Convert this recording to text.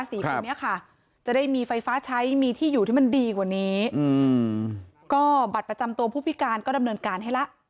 สี่คนนี้ค่ะจะได้มีไฟฟ้าใช้มีที่อยู่ที่มันดีกว่านี้อืมก็บัตรประจำตัวผู้พิการก็ดำเนินการให้ละ